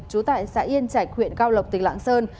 trú tại xã yên chạch huyện cao lộc tỉnh lạng sơn